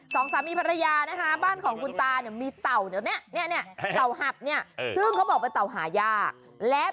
สองสามีภรรยาบ้านของคุณตามีเต่าเบาอยากหา